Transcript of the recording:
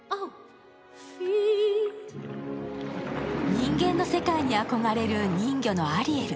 人間の世界に憧れる人魚のアリエル。